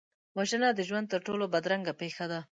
وژنه د ژوند تر ټولو بدرنګه پېښه ده